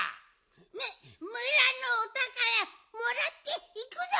むむらのおたからもらっていくぞ。